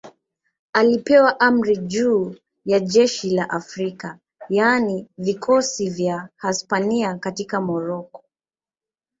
Alipewa amri juu ya jeshi la Afrika, yaani vikosi vya Hispania katika Moroko.